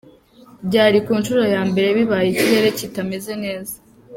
Byari ku inshuro yambere bibaye ikirere kitameze neza.